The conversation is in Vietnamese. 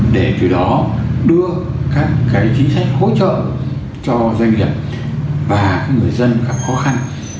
để từ đó đưa các chính sách hỗ trợ cho doanh nghiệp và người dân gặp khó khăn